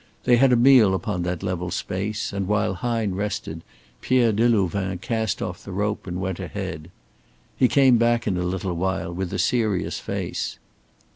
They had a meal upon that level space, and while Hine rested, Pierre Delouvain cast off the rope and went ahead. He came back in a little while with a serious face.